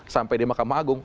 sampai di mahkamah agung